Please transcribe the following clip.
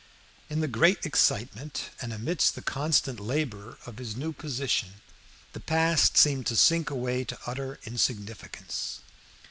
In the great excitement, and amidst the constant labor of his new position, the past seemed to sink away to utter insignificance.